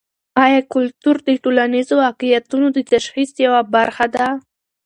ایا کلتور د ټولنیزو واقعیتونو د تشخیص یوه برخه ده؟